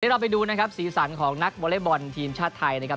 เราไปดูนะครับสีสันของนักวอเล็กบอลทีมชาติไทยนะครับ